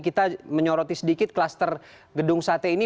kita menyoroti sedikit klaster gedung sate ini